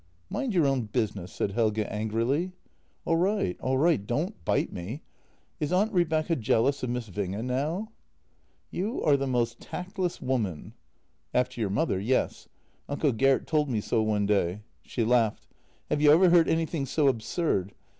" Mind your own business," said Helge angrily. "All right, all right — don't bite me! Is Aunt Rebecca jealous of Miss Winge now? "" You are the most tactless woman. ..."" After your mother, yes. Uncle Gert told me so one day." She laughed. "Have you ever heard anything so absurd!